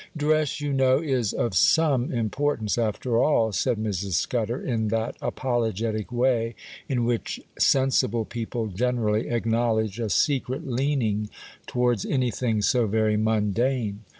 'Dress, you know, is of some importance after all,' said Mrs. Scudder, in that apologetic way in which sensible people generally acknowledge a secret leaning towards anything so very mundane.